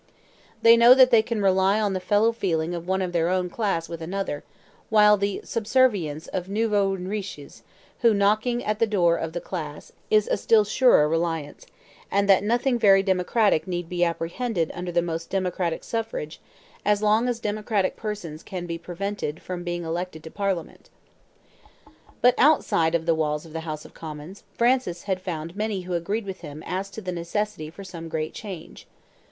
They know that they can rely on the fellow feeling of one of their own class with another, while the subservience of NOUVEAUX ENRICHIS, who knocking at the door of the class, is a still surer reliance, and that nothing very democratic need be apprehended under the most democratic suffrage, as long as democratic persons can be prevented from being elected to Parliament." But outside of the walls of the House of Commons, Francis had found many who agreed with him as to the necessity for some great change.